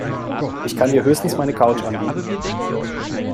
Ich kann dir höchstens meine Couch anbieten.